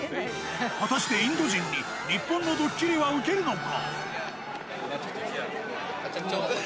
果たして、インド人に日本のドッキリは受けるのか？